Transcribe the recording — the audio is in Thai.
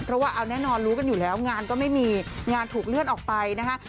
เพราะว่าเอาแน่นอนรู้กันอยู่แล้วงานก็ไม่มีงานถูกเลื่อนออกไปนะคะ